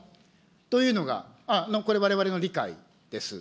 というのがこれ、われわれの理解です。